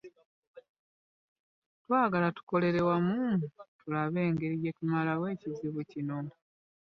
Twagala tukolere wamu tulabe ngeri gye tumalawo ekizibu kino